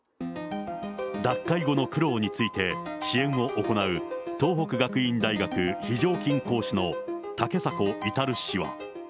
脱会後の苦労について支援を行う東北学院大学非常勤講師の竹迫之氏は。